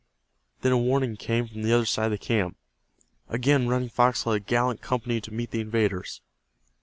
Then a warning came from the other side of the camp. Again Running Fox led a gallant company to meet the invaders.